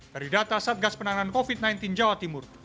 dari data satgas penanganan covid sembilan belas jawa timur